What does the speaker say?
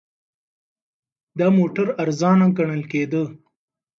دا موټر ارزانه ګڼل کېده.